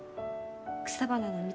草花の道